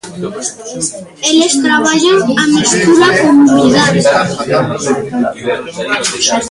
Eles traballan a mestura con humildade.